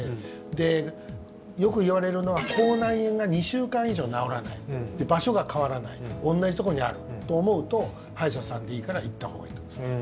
で、よくいわれるのは口内炎が２週間以上治らない場所が変わらない同じところにあると思うと歯医者さんでいいから行ったほうがいいと思います。